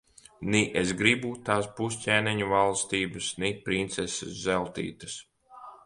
Ni es gribu tās pusķēniņa valstības, ni princeses Zeltītes.